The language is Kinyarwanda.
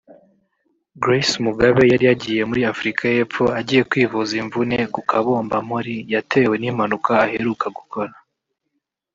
Grace Mugabe yari yagiye muri Afurika y’ Epfo agiye kwivuza imvune ku kabombampori yatewe n’ impanuka aheruka gukora